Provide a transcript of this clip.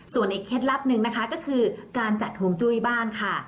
ส่วนอีกเคล็ดลับหนึ่งนะคะก็คือการจัดห่วงจุ้ยบ้านค่ะ